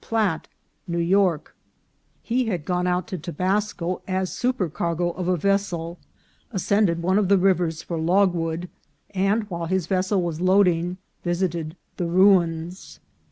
Platt, New York. He had gone out to Tobasco as supercargo of a vessel, ascended one of the rivers for logwood, and while his vessel was loading visited the ruins.